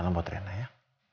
salam buat rena ya